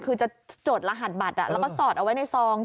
คือจะจดรหัสบัตรแล้วก็สอดเอาไว้ในซอง